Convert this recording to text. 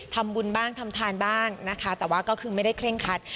ทำบุญบ้างทำทานบ้างนะคะแต่ว่าก็คือไม่ได้เคร่งคัด